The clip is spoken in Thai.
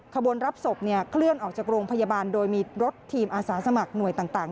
ขบวนรับศพเคลื่อนออกจากโรงพยาบาลโดยมีรถทีมอาสาสมัครหน่วยต่าง